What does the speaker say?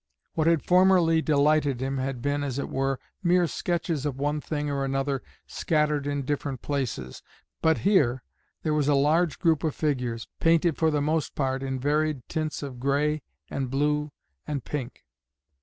What had formerly delighted him had been, as it were, mere sketches of one thing or another scattered in different places, but here there was a large group of figures, painted for the most part in varied tints of gray, and blue, and pink.